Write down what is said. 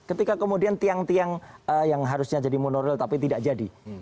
ketika kemudian tiang tiang yang harusnya jadi monoral tapi tidak jadi